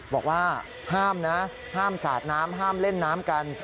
บอกว่าห้ามนะห้ามสาดน้ำห้ามเล่นน้ำกัน